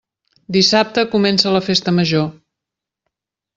Dissabte comença la Festa Major.